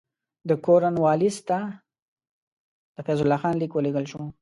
د کورنوالیس ته د فیض الله خان لیک ولېږل شو.